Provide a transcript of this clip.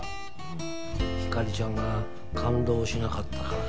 ひかりちゃんが感動しなかったからか？